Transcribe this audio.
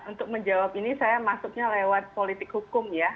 untuk menjawab ini saya masuknya lewat politik hukum ya